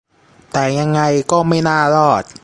แต่ยังไงก็ไม่น่ารอด